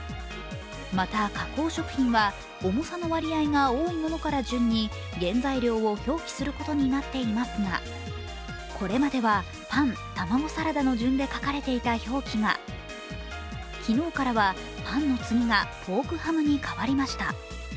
また、加工食品は重さの割合が多いものから順に原材料を表記することになっていますが、これまではパン、玉子サラダの順で書かれていた表記が昨日からはパンの次がポークハムに変わりました。